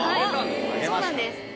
はいそうなんです。